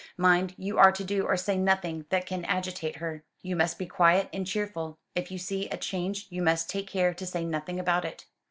"Mind, you are to do or say nothing that can agitate her. You must be quiet and cheerful. If you see a change you must take care to say nothing about it."